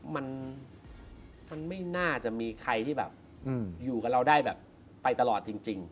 มันไม่น่าจะมีใครที่อยู่กับเราได้ไปตลอดจริง